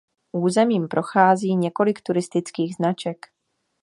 Územím prochází několik turistických značek.